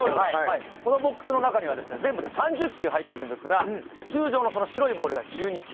このボックスの中には全部３０球入っていますが通常の白いボールが１２球。